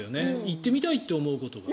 行ってみたいと思うことが。